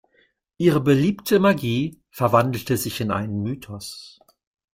Ihre beliebte Magie verwandelte sich in einen Mythos.